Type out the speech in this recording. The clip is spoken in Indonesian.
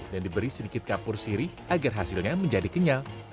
dan diberi sedikit kapur sirih agar hasilnya menjadi kenyal